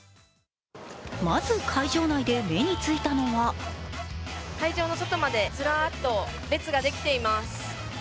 まず会場内で目についたのは会場の外までずらっと列ができています。